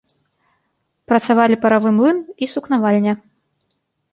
Працавалі паравы млын і сукнавальня.